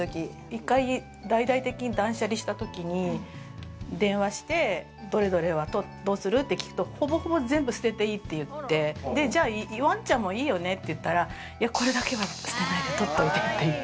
１回大々的に断捨離した時に電話して、どうするって聞くと、ほぼほぼ全部捨てていいって言ってワンちゃんもいいよねって言ったらこれだけは捨てないでとっといてって。